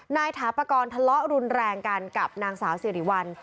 ถาปากรทะเลาะรุนแรงกันกับนางสาวสิริวัล